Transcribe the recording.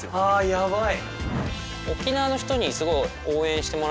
やばい！